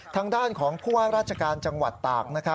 ทางด้านของผู้ว่าราชการจังหวัดตาก